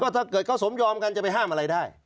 ถ้าเกิดเขาสมยอมกันจะไปห้ามอะไรได้